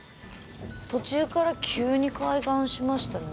途中から急に開眼しましたね